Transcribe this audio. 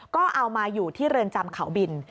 ก็เอามาอยู่ที่เรือนจำเขาบิน